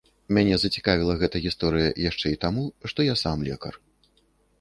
Мяне зацікавіла гэта гісторыя яшчэ і таму, што я сам лекар.